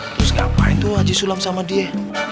terus ngapain tuh haji sulam sama dia